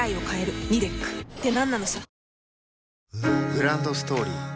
グランドストーリー